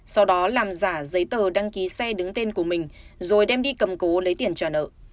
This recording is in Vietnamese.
sau đó làm giả giấy tờ đăng ký xe đứng tên của mình rồi đem đi cầm cố lấy tiền trả nợ